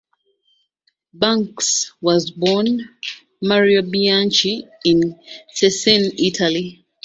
Banks was born Mario Bianchi in Cesena, Italy.